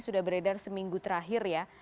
sudah beredar seminggu terakhir ya